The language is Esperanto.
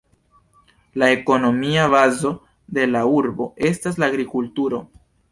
La ekonomia bazo de la urbo estas la agrikulturo.